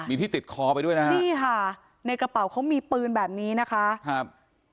มีที่ติดคอไปด้วยนะฮะนี่ค่ะในกระเป๋าเขามีปืนแบบนี้นะคะครับ